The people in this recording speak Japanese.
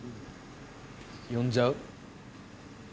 呼んじゃう？